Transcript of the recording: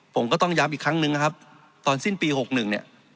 ผมก็ต้องย้ำอีกครั้งนึงนะครับตอนสิ้นปี๖๑เนี่ย